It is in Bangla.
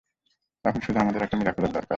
এখন শুধু আমাদের একটা মিরাকলের দরকার।